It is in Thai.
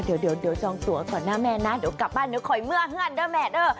เดี๋ยวจองตัวก่อนหน้าแม่นะเดี๋ยวกลับบ้านเดี๋ยวคอยเมื่อเพื่อนเด้อแม่เด้อ